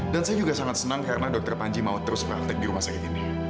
dan saya juga sangat senang karena dokter panji mau terus praktek di rumah sakit ini